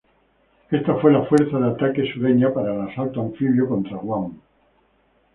Esta fue la Fuerza de Ataque Sureña para el asalto anfibio contra Guam.